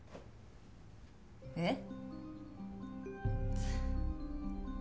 えっ？